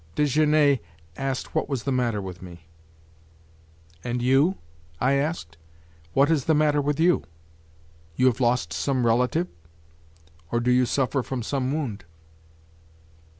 Desgenais asked what was the matter with me. "And you?" I asked. "What is the matter with you? You have lost some relative? Or do you suffer from some wound?"